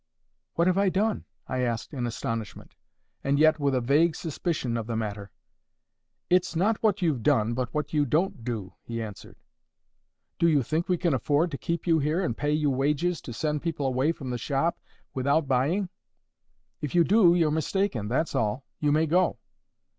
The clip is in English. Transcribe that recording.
'What have I done?' I asked in astonishment, and yet with a vague suspicion of the matter. 'It's not what you've done, but what you don't do,' he answered. 'Do you think we can afford to keep you here and pay you wages to send people away from the shop without buying? If you do, you're mistaken, that's all. You may go.